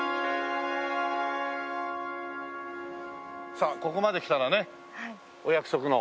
さあここまで来たらねお約束の。